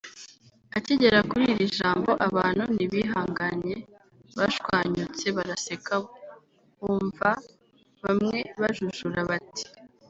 Akigera kuri iri jambo abantu ntibihanganye bashwanyutse baraseka wumva bamwe bajujura bati